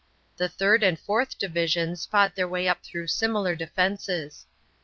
The third and fourth divisions fought their way up through similar defenses.